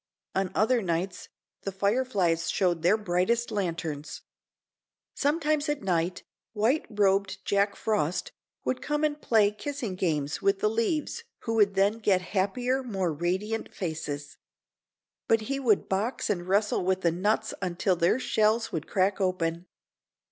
On other nights the fireflies showed their brightest lanterns. Sometimes at night, white robed Jack Frost would come and play kissing games with the leaves who would then get happier, more radiant faces. But he would box and wrestle with the nuts until their shells would crack open.